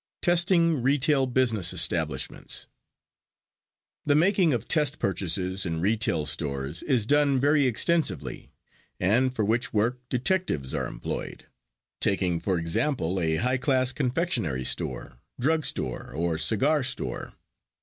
TESTING RETAIL BUSINESS ESTABLISHMENTS The making of test purchases in retail stores is done very extensively, and for which work detectives are employed. Taking for example a high class confectionery store, drug store or cigar store.